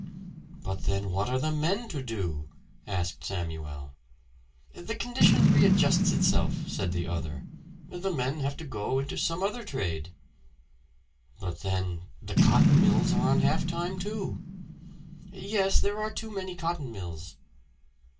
"But then what are the men to do?" asked Samuel. "The condition readjusts itself," said the other. "The men have to go into some other trade." "But then the cotton mills are on half time, too!" "Yes, there are too many cotton mills."